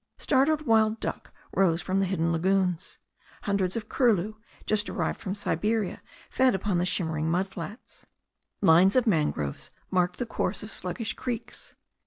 Startled wild duck rose from hidden lagoons. Hundreds of curlew, just arrived from Siberia, fed upon the shimmer ing mud flats. Lines of mangroves marked the course of sluggish creeks.